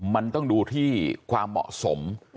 มันต้องดูที่ความเหมาะสม